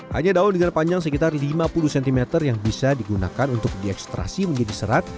hanya daun dengan panjang sekitar lima puluh cm yang bisa digunakan untuk diekstrasi menjadi serat